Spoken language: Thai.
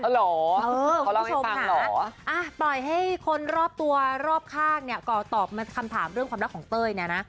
คุณผู้ชมค่ะปล่อยให้คนรอบตัวรอบข้างเนี่ยก่อตอบคำถามเรื่องความรักของเต้ยเนี่ยนะ